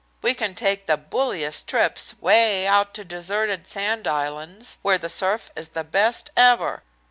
"We can take the bulliest trips, way out to deserted sand islands, where the surf is the best ever.